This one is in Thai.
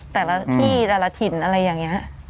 แต่ละที่แต่ละถิ่นอะไรอย่างนี้